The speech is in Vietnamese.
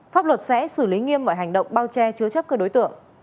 pháp luật sẽ xử lý nghiêm mọi hành động bao che chứa chấp các đối tượng